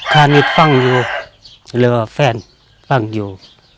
ถ้านิดฟังอยู่เลยว่าแฟนฟังอยู่